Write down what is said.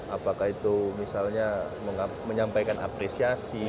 apakah itu misalnya menyampaikan apresiasi